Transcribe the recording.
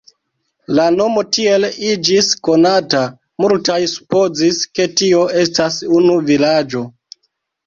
La nomo tiel iĝis konata, multaj supozis, ke tio estas unu vilaĝo.